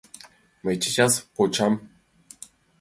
Мый чечас почам.